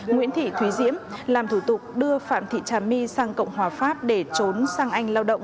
nguyễn thị thúy diễm làm thủ tục đưa phạm thị trà my sang cộng hòa pháp để trốn sang anh lao động